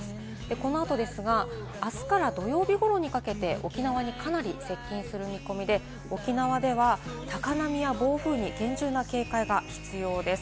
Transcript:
この後、あすから土曜日ごろにかけて、沖縄にかなり接近する見込みで、沖縄では高波や暴風に厳重な警戒が必要です。